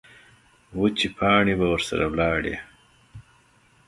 وچې پاڼې به ورسره لاړې.